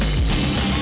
ati ati sendiri